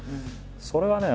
それはね